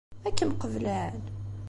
Ad kem-qeblen?